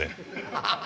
ハハハ！